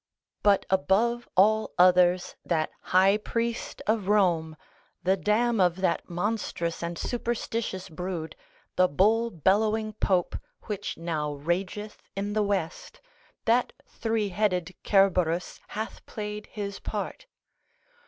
But above all others, that high priest of Rome, the dam of that monstrous and superstitious brood, the bull bellowing pope, which now rageth in the West, that three headed Cerberus hath played his part.